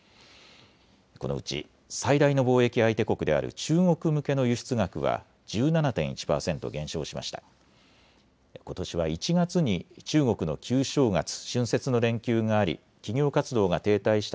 このうち最大の貿易相手国である中国向けの輸出額は１７．１％減少しました。